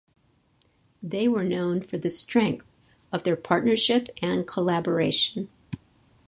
They were known for the strength of their partnership and collaboration.